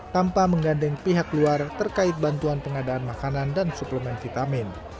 tanpa menggandeng pihak luar terkait bantuan pengadaan makanan dan suplemen vitamin